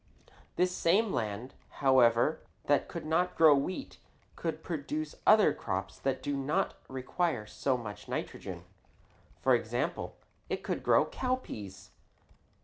This same land, however, that could not grow wheat could produce other crops that do not require so much nitrogen. For example, it could grow cowpeas.